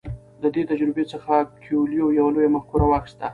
له دې تجربې څخه کویلیو یوه لویه مفکوره واخیسته.